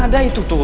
ada itu tuh